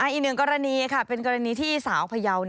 อีกหนึ่งกรณีค่ะเป็นกรณีที่สาวพยาว